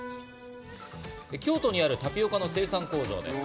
京都にあるタピオカの生産工場です。